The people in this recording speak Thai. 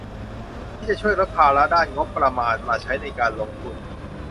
ที่จะช่วยลดภาระด้านงบประมาณมาใช้ในการลงทุน